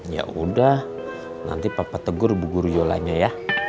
yaudah nanti papa tegur ibu guru yolahnya ya